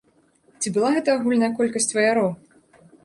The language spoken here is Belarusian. Ці была гэта агульная колькасць ваяроў?